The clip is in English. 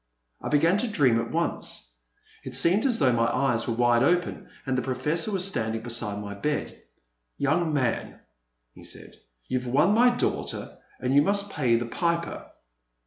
I began to dream at once. It seemed as though my eyes were wide open and the Professor was standing beside my bed. "Young man," he said, "you've won my daughter and you must pay the piper